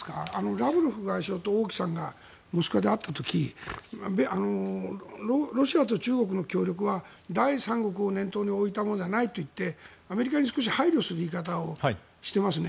ラブロフ外相と王毅さんがモスクワで会った時ロシアと中国の協力は第三国を念頭に置いたものではないと言ってアメリカに少し配慮する言い方をしていますね。